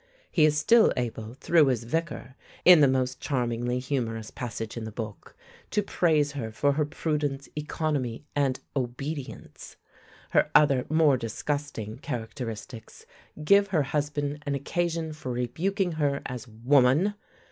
He is still able, through his Vicar, in the most charmingly humorous passage in the book, to praise her for her "prudence, economy, and obedience." Her other, more disgusting, characteristics give her husband an occasion for rebuking her as "Woman!"